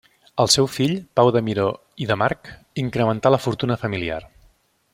El seu fill, Pau de Miró i de March, incrementà la fortuna familiar.